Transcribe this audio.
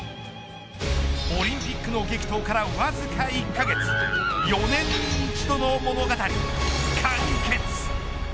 オリンピックの激闘からわずか１カ月４年に一度の物語完結。